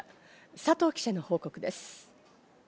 佐藤記者の報告です。